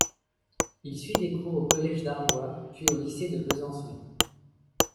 Il suit des cours au collège d'Arbois, puis au lycée de Besançon.